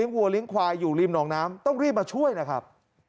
วัวเลี้ยควายอยู่ริมหนองน้ำต้องรีบมาช่วยนะครับ